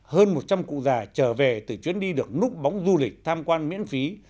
hơn một trăm linh cụ già trở về từ chuyến đi được núp bóng du lịch tham quan miễn phí